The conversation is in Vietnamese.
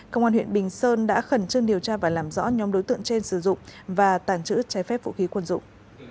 công an huyện bình sơn đã khẩn trương điều tra và làm rõ nhóm đối tượng trên sử dụng và tàng trữ trái phép vũ khí quân dụng